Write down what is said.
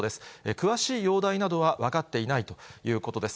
詳しい容体などは分かっていないということです。